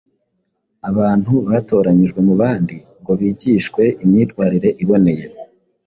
Abantu batoranyijwe mu bandi ngo bigishwe imyitwarire iboneye.